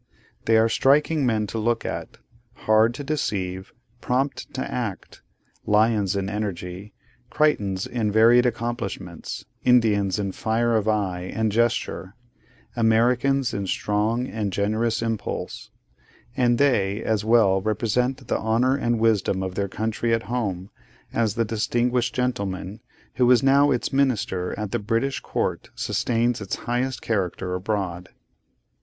They are striking men to look at, hard to deceive, prompt to act, lions in energy, Crichtons in varied accomplishments, Indians in fire of eye and gesture, Americans in strong and generous impulse; and they as well represent the honour and wisdom of their country at home, as the distinguished gentleman who is now its Minister at the British Court sustains its highest character abroad.